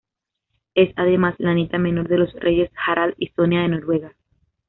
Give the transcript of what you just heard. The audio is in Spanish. Es, además, la nieta menor de los reyes Harald y Sonia de Noruega.